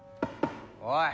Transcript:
おい。